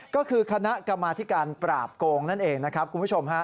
ก็คือคณะกรรมาธิการปราบโกงนั่นเองนะครับคุณผู้ชมฮะ